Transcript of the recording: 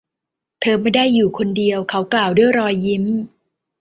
เธอไม่ได้อยู่คนเดียว เขากล่าวด้วยรอยยิ้ม